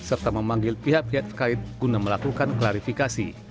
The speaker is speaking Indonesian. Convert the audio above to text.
serta memanggil pihak pihak terkait guna melakukan klarifikasi